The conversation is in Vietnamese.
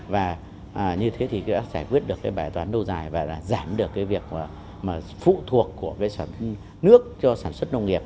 và như thế thì đã giải quyết được cái bài toán nâu dài và giảm được cái việc phụ thuộc của nước cho sản xuất nông nghiệp